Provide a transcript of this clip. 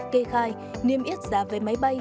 kê khai niêm yết giá vé máy bay